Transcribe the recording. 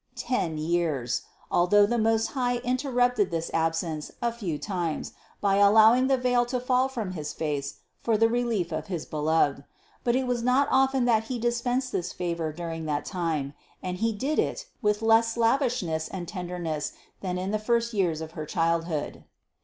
ten years; although the Most High interrupted this absence a few times by allowing the veil to fall from his face for the relief of his Be loved; but it was not often that He dispensed this favor during that time, and He did it with less lavishness and tenderness than in the first years of her childhood.